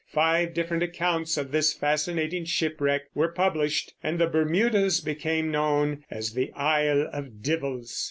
Five different accounts of this fascinating shipwreck were published, and the Bermudas became known as the "Ile of Divels."